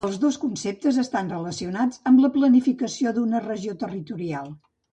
Els dos conceptes estan relacionats amb la planificació d'una regió territorial.